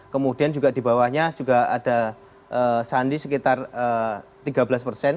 kemudian juga di bawahnya juga ada sandi sekitar tiga belas persen